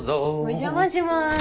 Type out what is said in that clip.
お邪魔します。